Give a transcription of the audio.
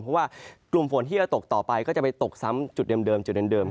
เพราะว่ากลุ่มฝนที่จะตกต่อไปก็จะไปตกซ้ำจุดเดิมจุดเดิม